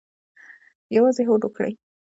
یوازې هوډ وکړئ